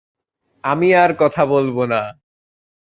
আমি আর কথা বলব না।